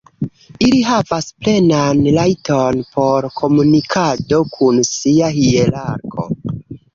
Ili havas plenan rajton por komunikado kun sia hierarko.